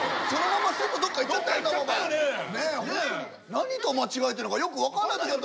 何と間違えてんのかよく分かんない時ある。